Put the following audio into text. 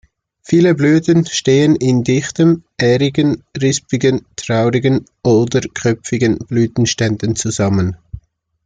Viele Blüten stehen in dichten, ährigen, rispigen, traubigen oder kopfigen Blütenständen zusammen.